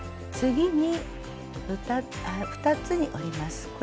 次に２つに折ります。